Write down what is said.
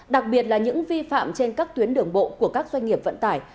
đặc biệt là những vi phạm trên các tuyến đường bộ của các doanh nghiệp vận tải